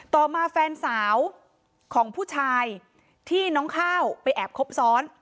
ต่อมาแฟนสาวของผู้ชายที่น้องข้าวไปแอบครบซ้อน